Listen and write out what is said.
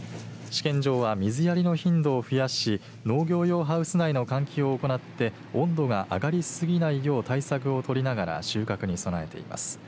試験場は水やりの頻度を増やし農業用ハウス内の換気を行って温度が上がりすぎないよう対策を取りながら収穫に備えています。